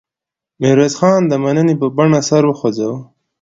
میرویس خان د مننې په بڼه سر وخوځاوه.